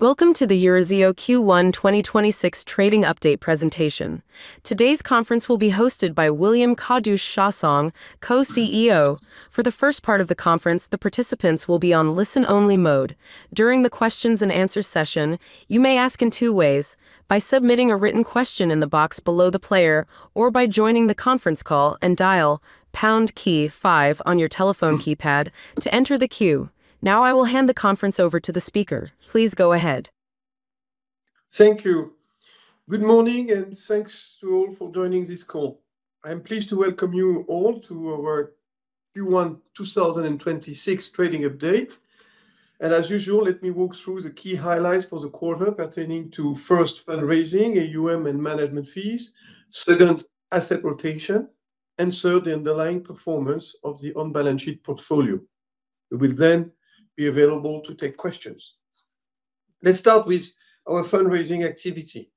Welcome to the Eurazeo Q1 2026 Trading Update presentation. Today's conference will be hosted by William Kadouch-Chassaing, Co-CEO. For the first part of the conference, the participants will be on listen-only mode. During the questions-and-answer session you may ask in two ways. By submitting a written question in the box below the player or by joining the conference call and dial pound key five on your telephone keypad to enter the queue. Now I will hand the conference over to the speaker. Please go ahead. Thank you. Good morning, thanks to all for joining this call. I am pleased to welcome you all to our Q1 2026 trading update. As usual, let me walk through the key highlights for the quarter pertaining to first fundraising, AUM and management fees. Second, asset rotation. Third, the underlying performance of the on-balance-sheet portfolio. We will then be available to take questions. Let's start with our fundraising activity.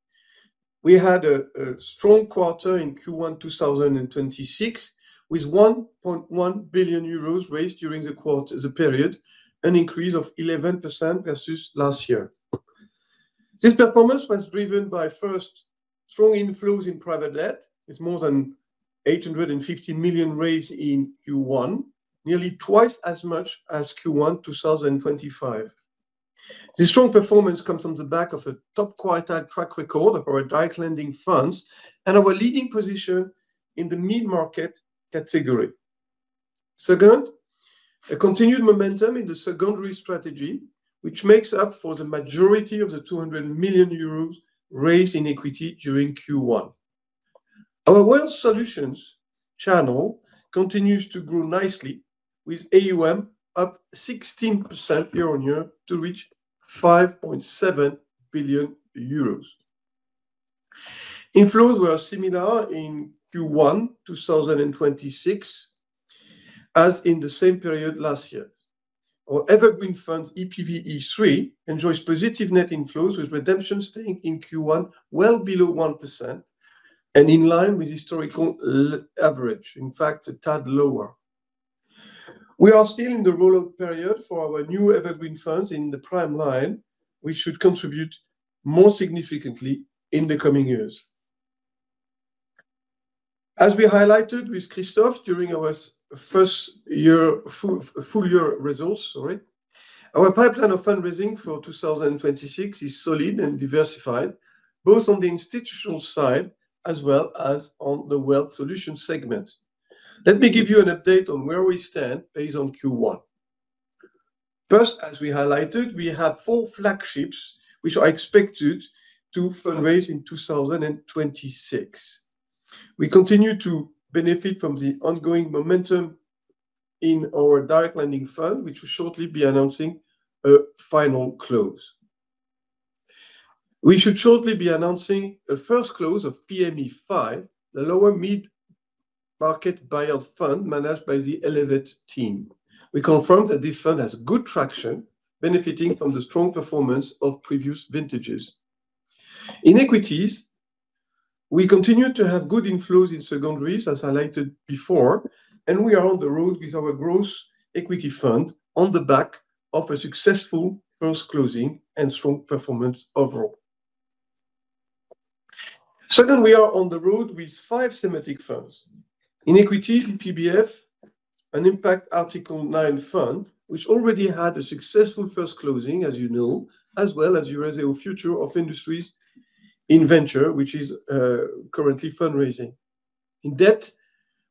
We had a strong quarter in Q1 2026, with 1.1 billion euros raised during the period, an increase of 11% versus last year. This performance was driven by, first, strong inflows in private debt. It's more than 850 million raised in Q1, nearly twice as much as Q1 2025. This strong performance comes on the back of a top quintile track record for our direct lending funds and our leading position in the mid-market category. Second, a continued momentum in the secondary strategy, which makes up for the majority of the 200 million euros raised in equity during Q1. Our wealth solutions channel continues to grow nicely, with AUM up 16% year-on-year to reach 5.7 billion euros. Inflows were similar in Q1 2026 as in the same period last year. Our Evergreen Fund EPVE 3 enjoys positive net inflows, with redemptions staying in Q1 well below 1% and in line with historical average. In fact, a tad lower. We are still in the roll-out period for our new Evergreen funds in the prime line, which should contribute more significantly in the coming years. As we highlighted with Christophe during our first year full year results, sorry, our pipeline of fundraising for 2026 is solid and diversified, both on the institutional side as well as on the wealth solutions segment. Let me give you an update on where we stand based on Q1. First, as we highlighted, we have four flagships which are expected to fundraise in 2026. We continue to benefit from the ongoing momentum in our direct lending fund, which will shortly be announcing a final close. We should shortly be announcing a first close of PME V, the lower mid-market buyout fund managed by the Elevate team. We confirm that this fund has good traction, benefiting from the strong performance of previous vintages. In equities, we continue to have good inflows in secondaries, as highlighted before, and we are on the road with our growth equity fund on the back of a successful first closing and strong performance overall. Second, we are on the road with five thematic funds. In equity, EPBF, an impact Article 9 fund which already had a successful first closing, as you know, as well as Eurazeo Future of Industries in Venture, which is currently fundraising. In debt,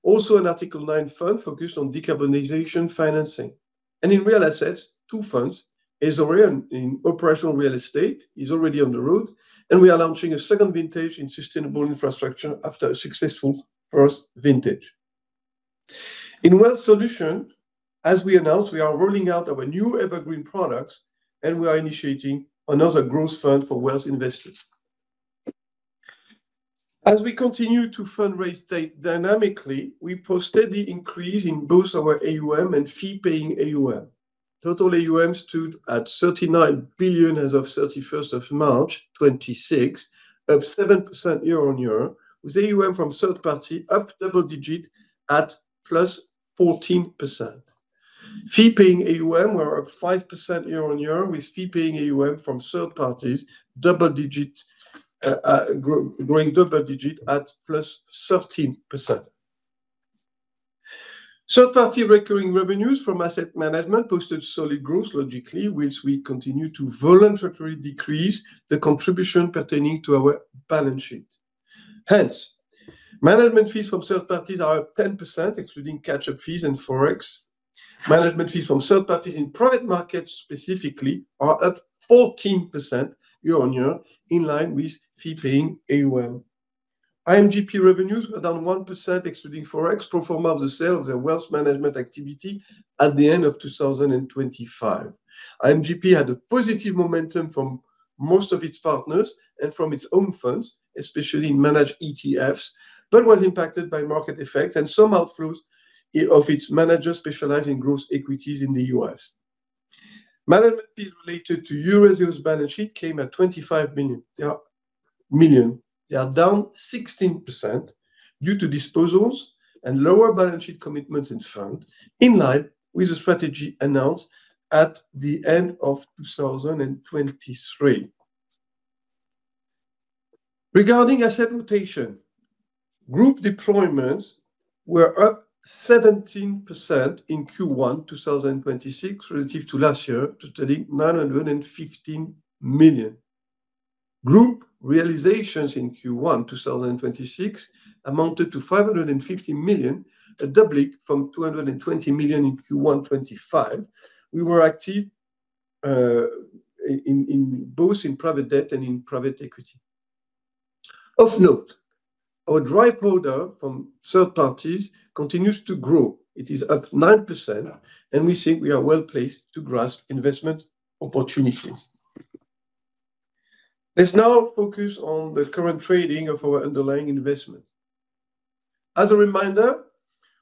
also an Article 9 fund focused on decarbonization financing. In real assets, two funds is already in operational real estate, is already on the road, and we are launching a second vintage in sustainable infrastructure after a successful first vintage. In wealth solutions, as we announced, we are rolling out our new Evergreen products, and we are initiating another growth fund for wealth investors. As we continue to fundraise dynamically, we posted the increase in both our AUM and fee-paying AUM. Total AUM stood at 39 billion as of March 31st, 2026, up 7% year-on-year, with AUM from third-party up double digit at +14%. Fee-paying AUM were up 5% year-on-year, with fee-paying AUM from third-parties growing double digit at +13%. Third-party recurring revenues from asset management posted solid growth logically, which we continue to voluntarily decrease the contribution pertaining to our balance sheet. Management fees from third-parties are up 10%, excluding catch-up fees and Forex. Management fees from third-parties in private markets specifically are up 14% year-on-year, in line with fee-paying AUM. IMGP revenues were down 1% excluding Forex, pro forma of the sale of their wealth management activity at the end of 2025. IMGP had a positive momentum from most of its partners and from its own funds, especially in managed ETFs, but was impacted by market effects and some outflows of its managers specializing growth equities in the U.S. Management fees related to Eurazeo's balance sheet came at 25 million. They are down 16% due to disposals and lower balance sheet commitments in fund, in line with the strategy announced at the end of 2023. Regarding asset rotation, group deployments were up 17% in Q1 2026 relative to last year, totaling 915 million. Group realizations in Q1 2026 amounted to 550 million, a doubling from 220 million in Q1 2025. We were active, both in private debt and in private equity. Of note, our dry powder from third parties continues to grow. It is up 9%. We think we are well-placed to grasp investment opportunities. Let's now focus on the current trading of our underlying investment. As a reminder,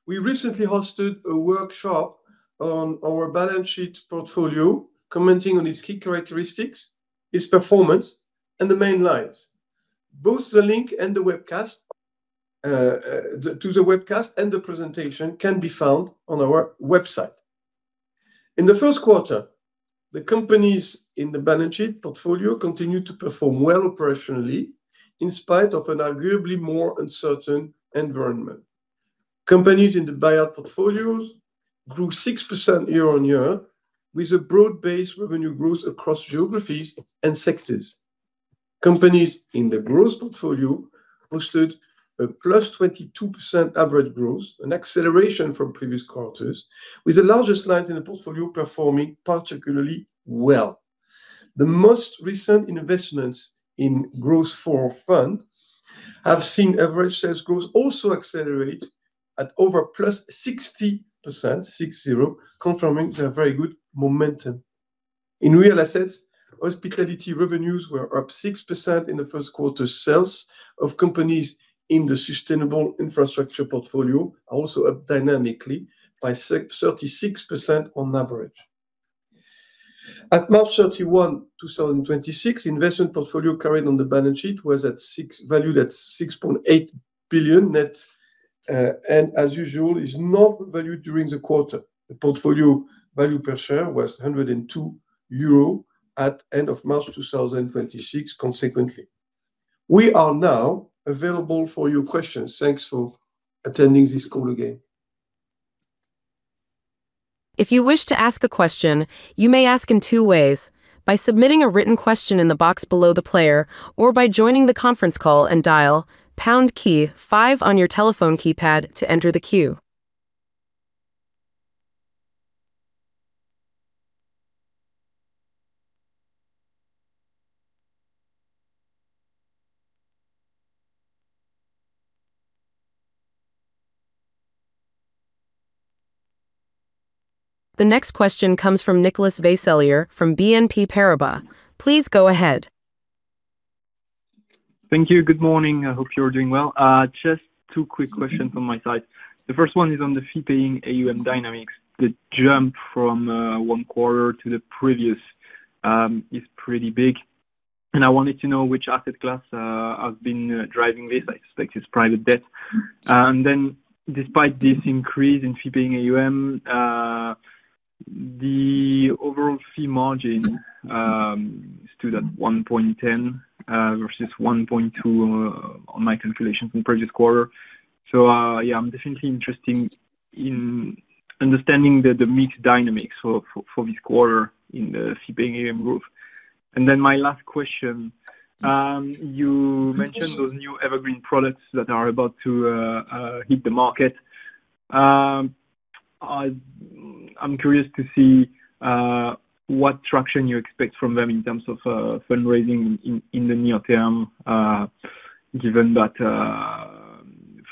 we recently hosted a workshop on our balance sheet portfolio, commenting on its key characteristics, its performance, and the main lines. Both the link to the webcast and the presentation can be found on our website. In the first quarter, the companies in the balance sheet portfolio continued to perform well operationally, in spite of an arguably more uncertain environment. Companies in the buyout portfolios grew 6% year-on-year, with a broad-based revenue growth across geographies and sectors. Companies in the growth portfolio posted a +22% average growth, an acceleration from previous quarters, with the largest lines in the portfolio performing particularly well. The most recent investments in Growth IV fund have seen average sales growth also accelerate at over +60%, confirming their very good momentum. In real assets, hospitality revenues were up 6% in the 1st quarter. Sales of companies in the sustainable infrastructure portfolio are also up dynamically by 36% on average. At March 31, 2026, investment portfolio carried on the balance sheet was valued at 6.8 billion net. As usual, is not valued during the quarter. The portfolio value per share was 102 euro at end of March 2026 consequently. We are now available for your questions. Thanks for attending this call again. If you wish to ask a question you may ask in two ways. By submitting a written question in the box below the player or by joining the conference and dial pound key five and enter the queue. The next question comes from Nicolas Vaysselier from BNP Paribas. Please go ahead. Thank you. Good morning. I hope you're doing well. Just two quick questions on my side. The first one is on the fee-paying AUM dynamics. The jump from 1 quarter to the previous is pretty big, and I wanted to know which asset class has been driving this. I suspect it's private debt. Despite this increase in fee-paying AUM, the overall fee margin stood at 1.10 versus 1.2 on my calculations in previous quarter. Yeah, I'm definitely interested in understanding the mix dynamics for this quarter in the fee-paying AUM group. My last question, you mentioned those new Evergreen funds that are about to hit the market. I'm curious to see what traction you expect from them in terms of fundraising in the near term, given that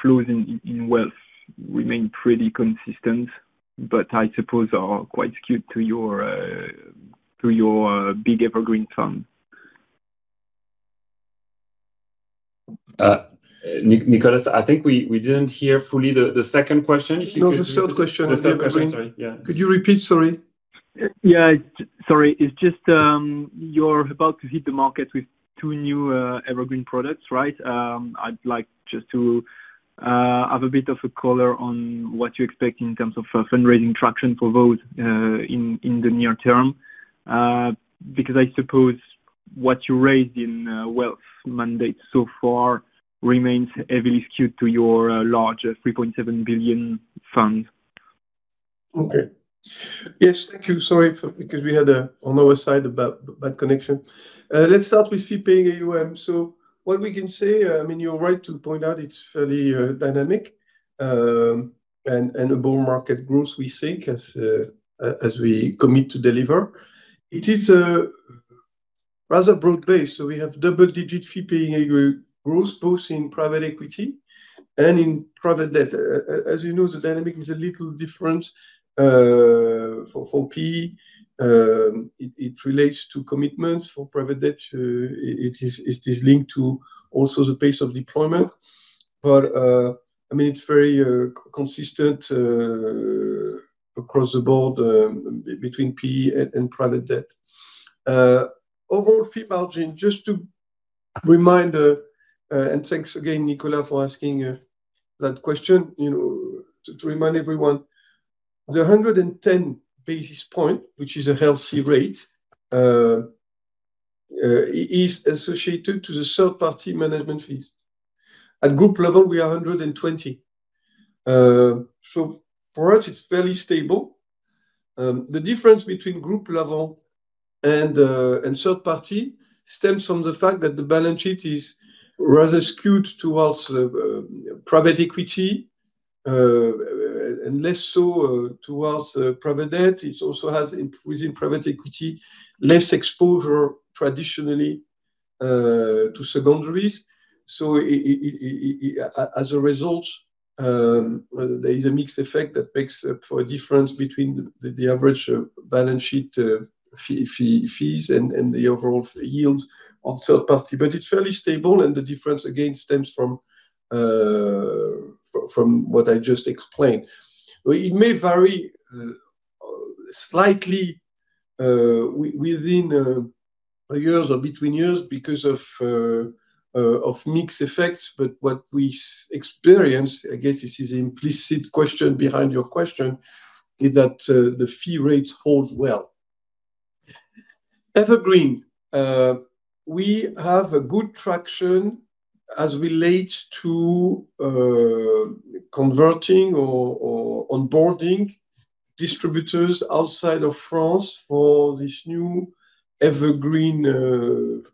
flows in wealth remain pretty consistent, but I suppose are quite skewed to your big Evergreen fund. Nicolas, I think we didn't hear fully the second question. If you could repeat it. No, the third question on the Evergreen. The third question. Sorry, yeah. Could you repeat? Sorry. Yeah. Sorry. It's just, you're about to hit the market with two new Evergreen funds, right? I'd like just to have a bit of a color on what you expect in terms of fundraising traction for those in the near term, because I suppose what you raised in wealth mandates so far remains heavily skewed to your larger 3.7 billion fund. Okay. Yes. Thank you. Let's start with fee-paying AUM. What we can say, I mean, you're right to point out it's fairly dynamic, and a bull market growth, we think, as we commit to deliver. It is a rather broad base. We have double-digit fee-paying AUM growth, both in private equity and in private debt. As you know, the dynamic is a little different for PE. It relates to commitments for private debt. It is linked to also the pace of deployment. I mean, it's very consistent across the board between PE and private debt. Overall fee margin, just to remind, and thanks again, Nicolas, for asking that question. You know, to remind everyone, the 110 basis point, which is a healthy rate, is associated to the third-party management fees. At group level, we are 120 basis point. For us, it's fairly stable. The difference between group level and third party stems from the fact that the balance sheet is rather skewed towards private equity and less so towards private debt. It also has within private equity, less exposure traditionally to secondaries. As a result, there is a mixed effect that makes for a difference between the average balance sheet fee-fees and the overall yields on third party. It's fairly stable, and the difference again stems from what I just explained. It may vary slightly within years or between years because of mixed effects. What we experience, I guess this is implicit question behind your question, is that the fee rates hold well. Evergreen, we have a good traction as relates to converting or onboarding distributors outside of France for this new Evergreen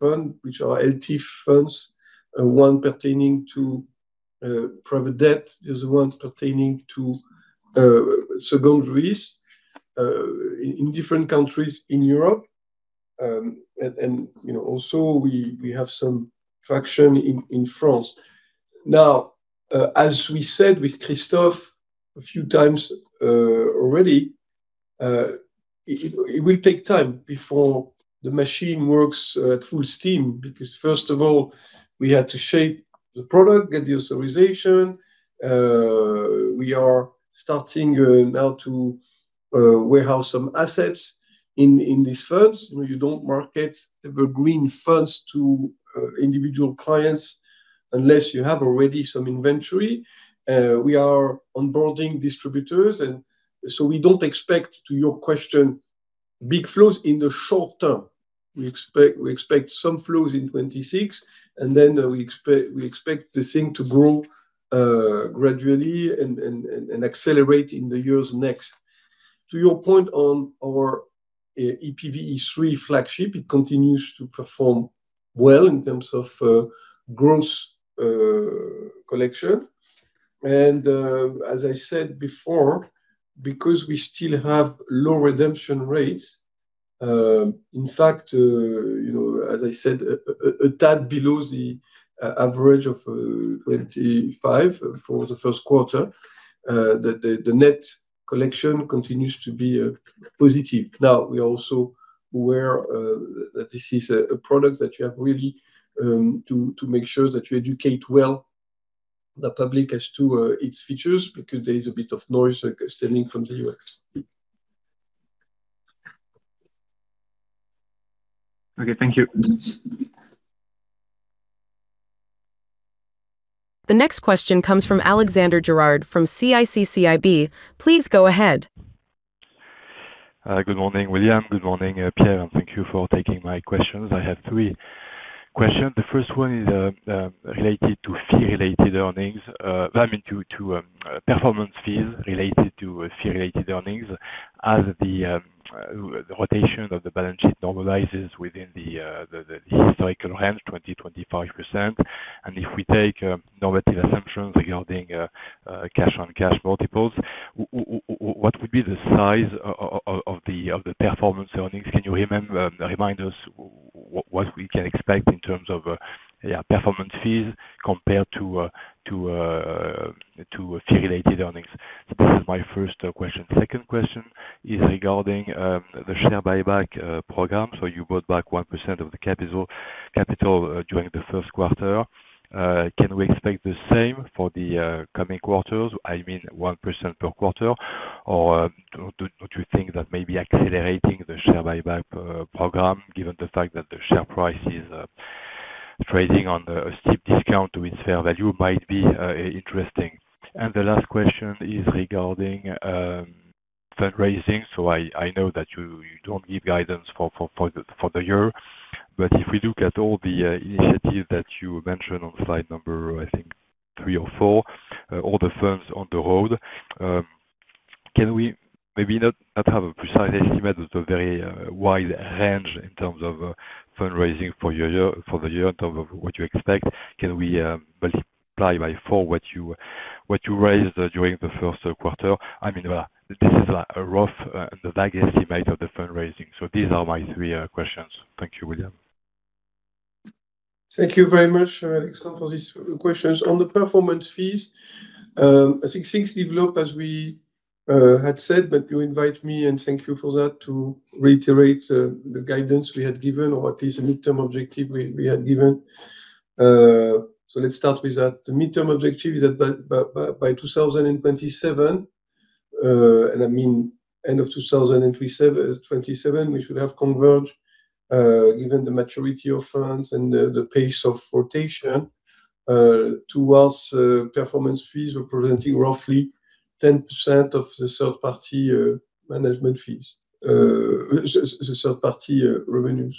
fund, which are ELTIF funds, one pertaining to private debt. There's one pertaining to secondaries in different countries in Europe. You know, also we have some traction in France. Now, as we said with Christophe a few times already, it will take time before the machine works at full steam, because first of all, we had to shape the product, get the authorization. We are starting now to warehouse some assets in these funds. You know, you don't market Evergreen funds to individual clients unless you have already some inventory. We are onboarding distributors, we don't expect, to your question, big flows in the short term. We expect some flows in 2026, we expect this thing to grow gradually and accelerate in the years next. To your point on our EPVE 3 flagship, it continues to perform well in terms of gross collection. As I said before, because we still have low redemption rates, in fact, you know, as I said, a tad below the average of 25 for the first quarter, the net collection continues to be positive. We're also aware that this is a product that you have really to make sure that you educate well the public as to its features, because there is a bit of noise stemming from the U.S. Okay. Thank you. The next question comes from Alexandre Gérard from CIC. Please go ahead. Good morning, William. Good morning, Pierre. Thank you for taking my questions. I have three questions. The first one is related to fee-related earnings. I mean, to performance fees related to fee-related earnings. As the rotation of the balance sheet normalizes within the historical range, 20%-25%. If we take normative assumptions regarding cash on cash multiples, what would be the size of the performance earnings? Can you remind us what we can expect in terms of performance fees compared to fee-related earnings? This is my first question. Second question is regarding the share buyback program. You bought back 1% of the capital during the first quarter. Can we expect the same for the coming quarters? I mean 1% per quarter. Do you think that maybe accelerating the share buyback program, given the fact that the share price is trading on a steep discount to its fair value might be interesting. The last question is regarding fundraising. I know that you don't give guidance for the year. If we look at all the initiatives that you mentioned on slide number, I think three or four, all the firms on the road, can we maybe not have a precise estimate, but a very wide range in terms of fundraising for the year in terms of what you expect? Can we multiply by four what you raised during the first quarter? I mean, this is a rough, vague estimate of the fundraising. These are my three questions. Thank you, William. Thank you very much, Alexandre, for these questions. On the performance fees, I think things develop as we had said. You invite me, and thank you for that, to reiterate the guidance we had given or at least the midterm objective we had given. Let's start with that. The midterm objective is that by 2027, and I mean, end of 2027, we should have converged, given the maturity of funds and the pace of rotation, towards performance fees representing roughly 10% of the third-party management fees, the third-party revenues.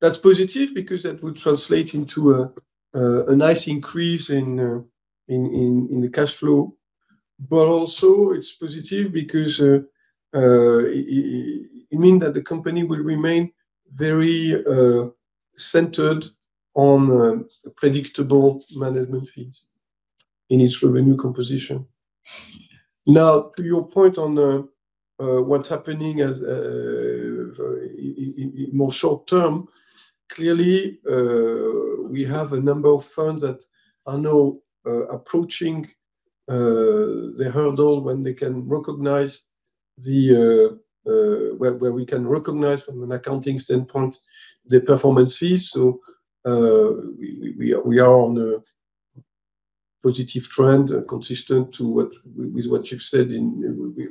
That's positive because that would translate into a nice increase in the cash flow. Also it's positive because it mean that the company will remain very centered on predictable management fees in its revenue composition. Now, to your point on what's happening as more short term, clearly, we have a number of funds that are now approaching the hurdle when they can recognize where we can recognize from an accounting standpoint the performance fees. We are on a positive trend consistent with what you've said,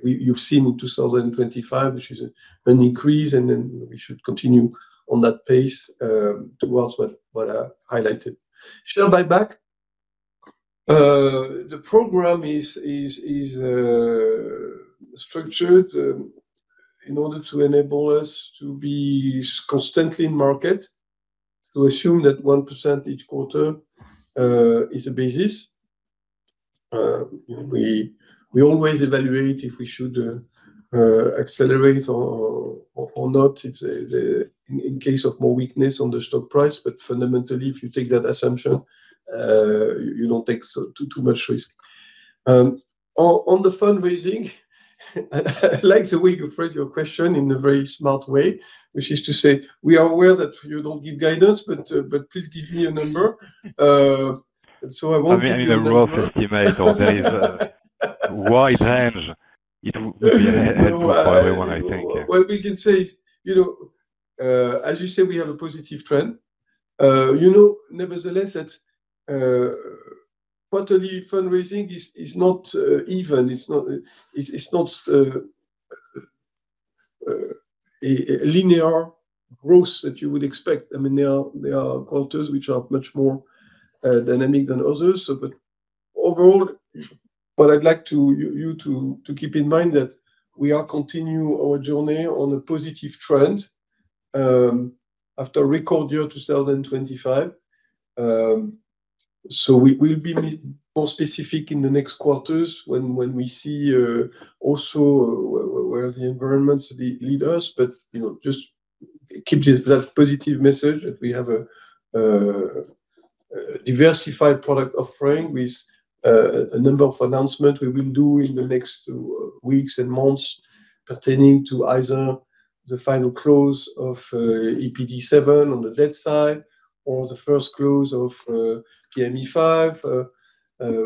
we've seen in 2025, which is an increase, and then we should continue on that pace towards what I highlighted, Share buyback. The program is structured in order to enable us to be constantly in market to assume that 1% each quarter is a basis. We always evaluate if we should accelerate or not if in case of more weakness on the stock price. Fundamentally, if you take that assumption, you don't take too much risk. On the fundraising, I like the way you phrase your question in a very smart way, which is to say, "We are aware that you don't give guidance, but please give me a number." I want to give you a number. I mean a rough estimate or there is a wide range. You know, it would be a helpful one I think, yeah. What we can say is, you know, as you say, we have a positive trend. You know, nevertheless, that quarterly fundraising is not even. It's not a linear growth that you would expect. I mean, there are quarters which are much more dynamic than others. Overall, what I'd like you to keep in mind that we are continue our journey on a positive trend, after a record year, 2025. We'll be more specific in the next quarters when we see also where the environments lead us. You know, just keep this, that positive message that we have a diversified product offering with a number of announcements we will do in the next weeks and months pertaining to either the final close of EPD VII on the debt side or the first close of PME V.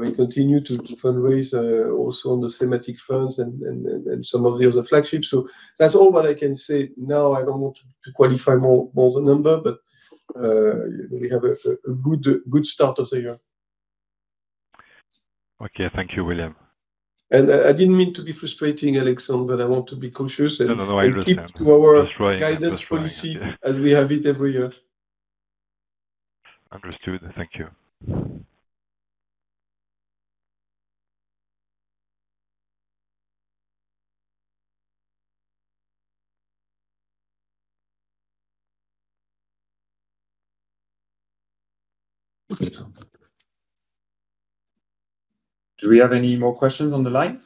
We continue to fundraise also on the thematic funds and some of the other flagships. That's all what I can say. I don't want to qualify more the number, but we have a good start of the year. Okay. Thank you, William. I didn't mean to be frustrating, Alexandre, but I want to be cautious. No. I understand. Keep to our guidance policy as we have it every year. Understood. Thank you. Okay. Do we have any more questions on the line?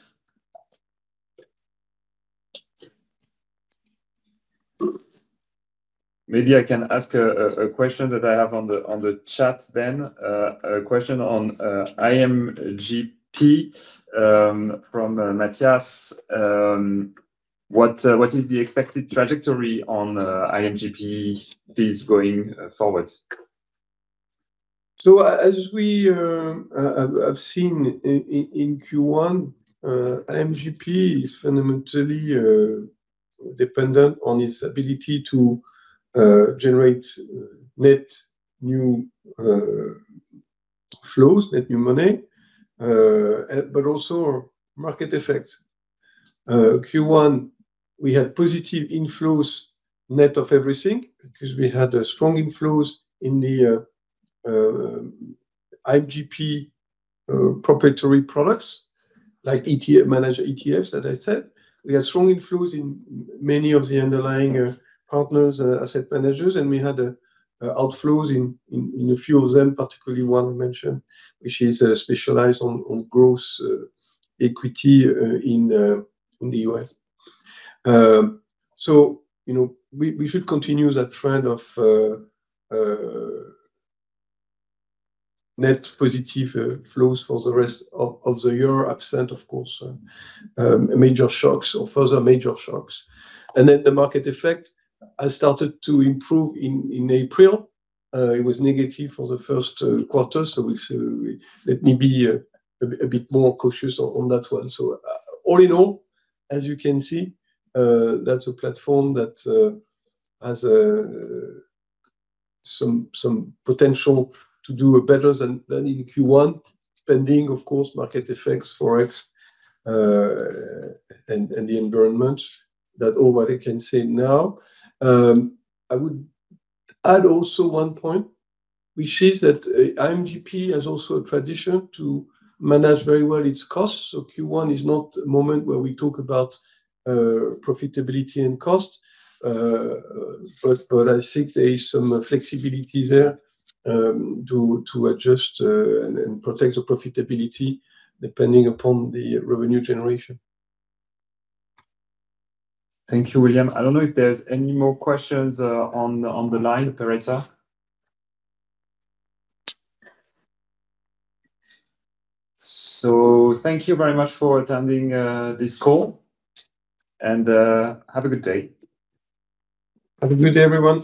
Maybe I can ask a question that I have on the chat then. A question on IMGP from Matthias. What is the expected trajectory on IMGP fees going forward? As we have seen in Q1, IMGP is fundamentally dependent on its ability to generate net new flows, net new money, but also market effects. Q1, we had positive inflows net of everything because we had strong inflows in the IMGP proprietary products like managed ETFs, as I said. We had strong inflows in many of the underlying partners, asset managers, and we had outflows in a few of them, particularly one I mentioned, which is specialized on growth equity in the U.S. You know, we should continue that trend of net positive flows for the rest of the year, absent, of course, major shocks or further major shocks. The market effect has started to improve in April. It was negative for the first quarter. Let me be a bit more cautious on that one. All in all, as you can see, that's a platform that has some potential to do better than in Q1, pending, of course, market effects, Forex, and the environment. That's all what I can say now. I would add also one point, which is that IMGP has also a tradition to manage very well its costs. Q1 is not a moment where we talk about profitability and cost. I think there is some flexibility there to adjust and protect the profitability depending upon the revenue generation. Thank you, William. I don't know if there's any more questions on the line, operator. Thank you very much for attending this call, and have a good day. Have a good day, everyone.